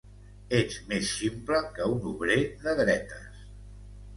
Ets més ximple que un obrer de dretes